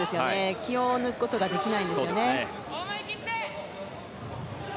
気を抜くことができないですね。